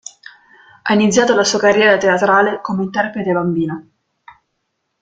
Ha iniziato la sua carriera teatrale come interprete bambino.